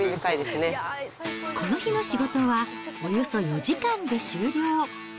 この日の仕事はおよそ４時間で終了。